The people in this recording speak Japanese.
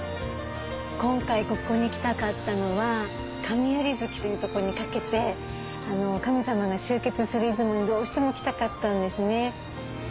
今回ここに来たかったのは神在月というとこに掛けて神様が集結する出雲にどうしても来たかったんですね。